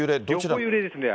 横揺れですね。